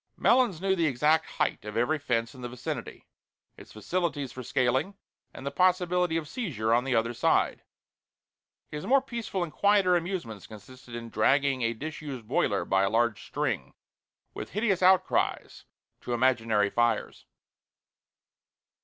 Melons knew the exact height of every fence in the vicinity, its facilities for scaling, and the possibility of seizure on the other side. His more peaceful and quieter amusements consisted in dragging a disused boiler by a large string, with hideous outcries, to imaginary fires.